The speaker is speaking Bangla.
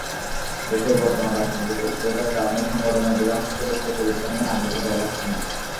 দেশের বর্তমান রাজনৈতিক অস্থিরতার কারণে সংগঠনের অধিকাংশ সদস্য প্রতিষ্ঠানই আগ্রহ দেখাচ্ছে না।